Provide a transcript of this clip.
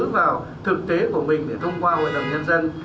vào thực tế của mình để thông qua hội đồng nhân dân